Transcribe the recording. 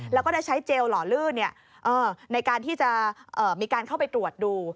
แล้วก็ได้ใช้เจลหล่อลื่นในการที่จะมีการเข้าไปตรวจดู